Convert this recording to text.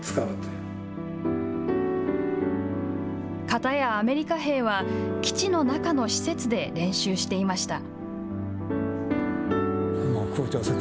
片や、アメリカ兵は基地の中の施設で練習していました。